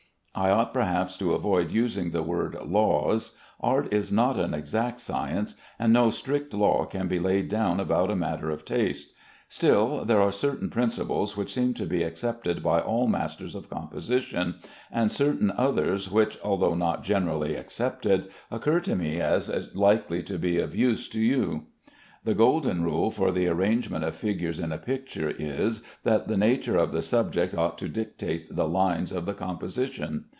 I ought perhaps to avoid using the word "laws"; art is not an exact science, and no strict law can be laid down about a matter of taste. Still there are certain principles which seem to be accepted by all masters of composition, and certain others which, although not generally accepted, occur to me as likely to be of use to you. The golden rule for the arrangement of figures in a picture, is that the nature of the subject ought to dictate the lines of the composition.